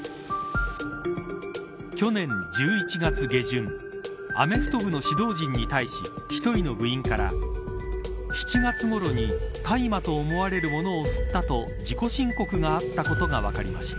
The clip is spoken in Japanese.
去年１１月下旬アメフト部の指導陣に対し１人の部員から７月ごろに大麻と思われるものを吸ったと自己申告があったことが分かりました。